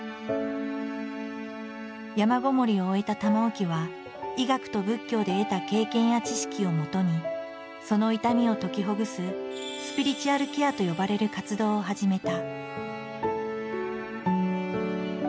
山籠もりを終えた玉置は医学と仏教で得た経験や知識をもとにその痛みを解きほぐす「スピリチュアルケア」と呼ばれる活動を始めた。